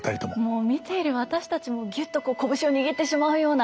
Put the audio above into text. もう見ている私たちもぎゅっと拳を握ってしまうような。